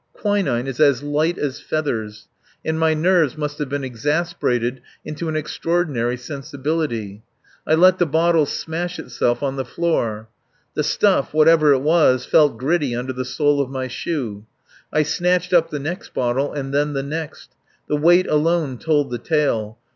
Quinine is as light as feathers; and my nerves must have been exasperated into an extraordinary sensibility. I let the bottle smash itself on the floor. The stuff, whatever it was, felt gritty under the sole of my shoe. I snatched up the next bottle and then the next. The weight alone told the tale.